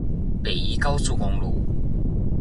北宜高速公路